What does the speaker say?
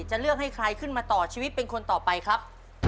จะเลือกให้ใครขึ้นมาต่อชีวิตเป็นคนต่อไปครับ